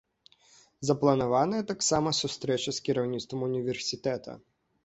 Запланаваная таксама сустрэча з кіраўніцтвам універсітэта.